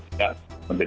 mendekatkan silapun tangan